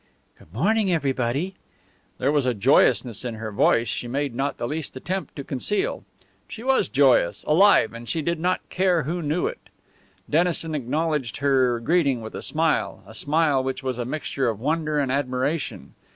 "Good morning, everybody!" There was a joyousness in her voice she made not the least attempt to conceal. She was joyous, alive, and she did not care who knew it. Dennison acknowledged her greeting with a smile, a smile which was a mixture of wonder and admiration.